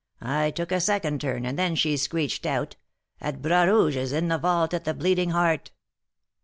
I took a second turn, and then she screeched out, 'At Bras Rouge's, in the vault at the Bleeding Heart!'